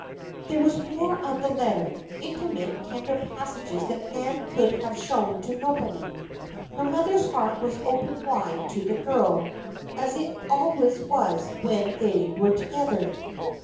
There was more of the letter intimate, tender passages that Nan could have shown to nobody. Her mother's heart was opened wide to the girl, as it always was when they were together.